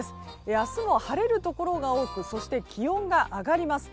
明日は晴れるところが多くそして気温が上がります。